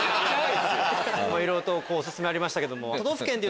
いろいろとオススメありましたけども。